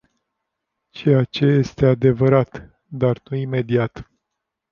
Ceea ce este adevărat, dar nu imediat.